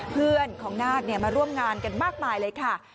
เพื่อนของนาคมาร่วมงานกันมากมายเลยค่ะ